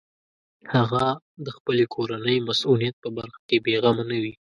هغه د خپلې کورنۍ مصونیت په برخه کې بېغمه نه وي.